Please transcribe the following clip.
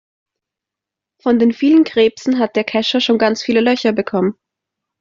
Von den vielen Krebsen hat der Kescher schon ganz viele Löcher bekommen.